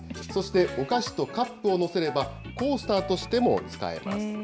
そして、お菓子とカップを載せれば、コースターとしても使えます。